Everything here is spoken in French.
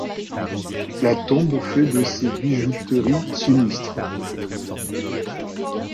La tombe fait de ces bijouteries sinistres.